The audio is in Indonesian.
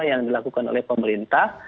yang dilakukan oleh pemerintah